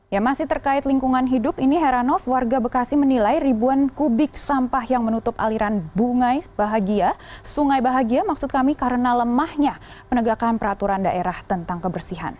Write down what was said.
ya masih terkait lingkungan hidup ini heranov warga bekasi menilai ribuan kubik sampah yang menutup aliran bunga bahagia sungai bahagia maksud kami karena lemahnya penegakan peraturan daerah tentang kebersihan